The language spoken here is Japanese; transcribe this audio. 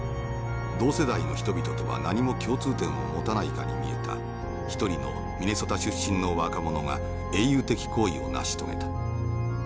同世代の人々とは何も共通点を持たないかに見えた一人のミネソタ出身の若者が英雄的行為を成し遂げた。